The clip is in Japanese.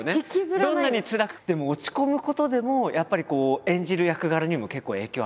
どんなにつらくても落ち込むことでもやっぱり演じる役柄にも結構影響ありますよねきっと。